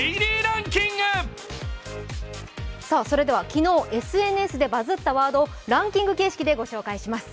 昨日、ＳＮＳでバズったワードをランキング形式で紹介します。